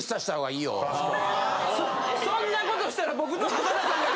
そんなことしたら。